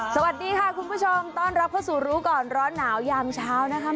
สวัสดีค่ะคุณผู้ชมต้อนรับเข้าสู่รู้ก่อนร้อนหนาวยามเช้านะคะ